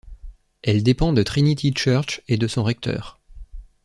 Elle dépend de Trinity Church et de son recteur.